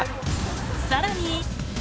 さらに。